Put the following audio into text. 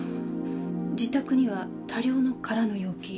自宅には多量の空の容器。